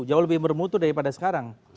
jauh lebih bermutu daripada sekarang